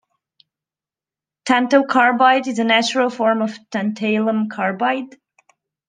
Tantalcarbide is a natural form of tantalum carbide.